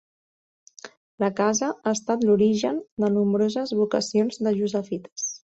La casa ha estat l'origen de nombroses vocacions de Josephites.